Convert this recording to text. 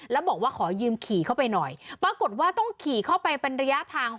แล้วบอกว่าขอยืมขี่เข้าไปหน่อยปรากฏว่าต้องขี่เข้าไปเป็นระยะทาง